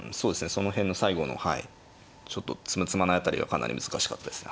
その辺の最後のはいちょっと詰む詰まない辺りはかなり難しかったですね。